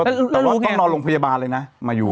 แต่ว่าต้องนอนโรงพยาบาลเลยนะมาอยู่